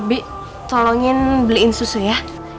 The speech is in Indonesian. bik tolongin beliin susu ya